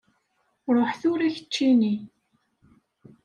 Ruḥ tura keččini!